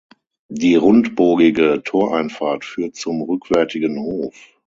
Die rundbogige Toreinfahrt führt zum rückwärtigen Hof.